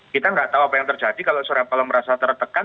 kita nggak tahu apa yang terjadi kalau surya paloh merasa tertekan